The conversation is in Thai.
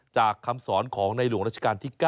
คำสอนของในหลวงราชการที่๙